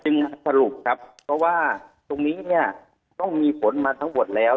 สรุปครับเพราะว่าตรงนี้เนี่ยต้องมีผลมาทั้งหมดแล้ว